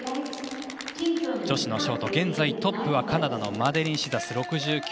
女子のショート、現在トップはカナダのマデリン・シーザス。